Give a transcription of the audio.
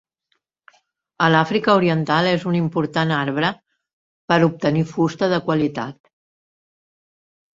A l'Àfrica oriental és un important arbre per a obtenir fusta de qualitat.